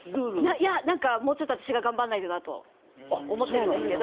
いや何かもうちょっと私が頑張んないとなと思ってるんですけど。